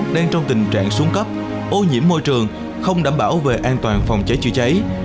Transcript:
đang trong tình trạng xuống cấp ô nhiễm môi trường không đảm bảo về an toàn phòng cháy chữa cháy